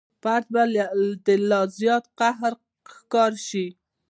فرد به د لا زیات قهر ښکار شي.